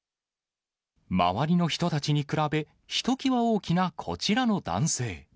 周りの人たちに比べ、ひときわ大きなこちらの男性。